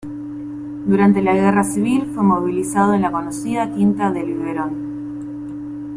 Durante la Guerra Civil fue movilizado en la conocida quinta del biberón.